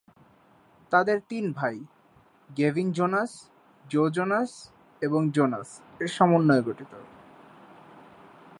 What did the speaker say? তাদের তিন ভাই: গেভিন জোনাস, জো জোনাস, এবং জোনাস-এর সমন্বয়ে গঠিত।